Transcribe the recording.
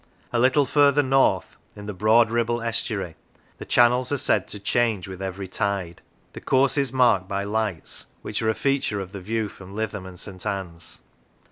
A little further north, in the broad Ribble estuary, the channels are said to change with every tide. The course is marked by lights, which are a feature of the view from Lytham and St. Anne's.